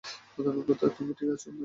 তুমি ঠিক আছো, মেয়ে?